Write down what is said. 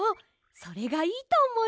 それがいいとおもいます！